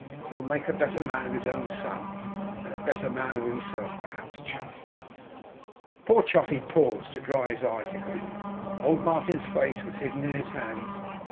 He'll make a better man of his own son, and be a better man himself, perhaps, Chuff!"' Poor Chuffey paused to dry his eyes again. Old Martin's face was hidden in his hands.